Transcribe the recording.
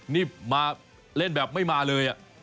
นี่มาเล่นแบบไม่มาเลย